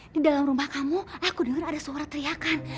di dalam rumah kamu aku dengar ada suara teriakan